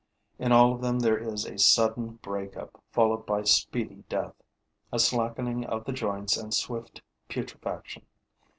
In all of them there is a sudden break up, followed by speedy death, a slackening of the joints and swift putrefaction.